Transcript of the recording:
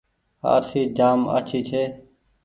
آرسي جآم آڇي ڇي۔